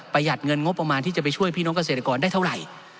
หัดเงินงบประมาณที่จะไปช่วยพี่น้องเกษตรกรได้เท่าไหร่